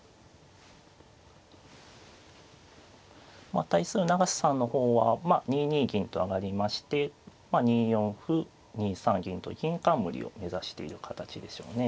まあ対する永瀬さんの方は２二銀と上がりまして２四歩２三銀と銀冠を目指している形でしょうね。